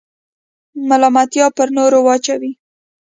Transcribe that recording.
ملامتیا پر نورو وراچوئ.